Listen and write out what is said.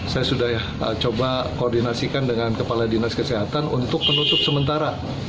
saya sudah coba koordinasikan dengan kepala dinas kesehatan untuk penutup sementara